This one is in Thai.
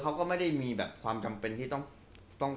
เขาก็ไม่ได้มีแบบความจำเป็นที่ต้อง